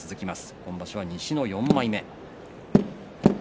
今場所は西の４枚目。